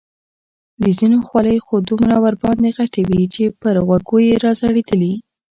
د ځینو خولۍ خو دومره ورباندې غټې وې چې پر غوږو یې را ځړېدلې.